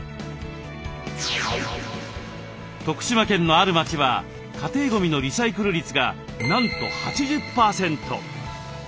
徳島県のある町は家庭ゴミのリサイクル率がなんと８０％。